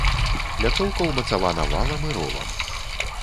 Пляцоўка ўмацавана валам і ровам.